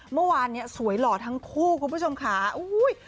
เมื่อวานเนี่ยสวยหล่อทั้งคู่คุณผู้ชมค่ะอุ้ย